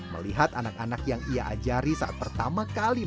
melihat anak anak yang ia ajari saat pertama kali